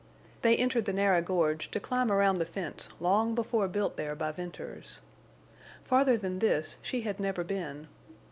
They entered the narrow gorge to climb around the fence long before built there by Venters. Farther than this she had never been.